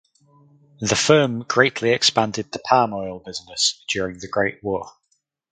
The firm greatly expanded the palm oil business during the Great War.